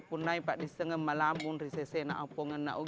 sejak rengka natak galilus diadakan oleh pak banua